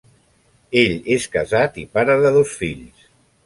Ell és casat i pare de dos fills.